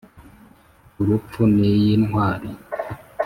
urupfu niyi ntwari